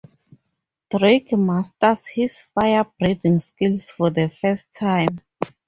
Drake masters his fire-breathing skills for the first time.